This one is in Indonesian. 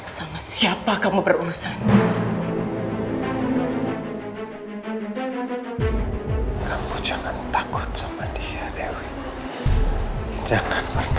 sama siapa kamu berurusan